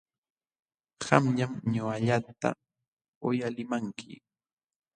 Qamllam ñuqallata uyalimanki.